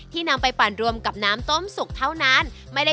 นำไปปั่นรวมกับน้ำต้มสุกเท่านั้น